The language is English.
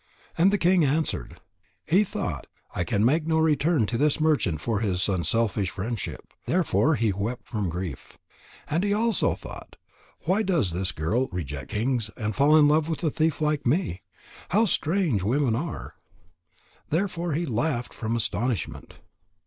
And the king answered: "He thought: I can make no return to this merchant for his unselfish friendship.' Therefore he wept from grief. And he also thought: Why does this girl reject kings and fall in love with a thief like me? How strange women are!' Therefore he laughed from astonishment."